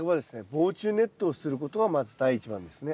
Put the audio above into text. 防虫ネットをすることがまず第一番ですね。